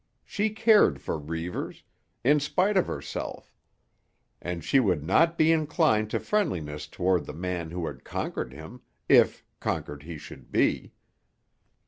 She cared for Reivers, in spite of herself; and she would not be inclined to friendliness toward the man who had conquered him, if conquered he should be.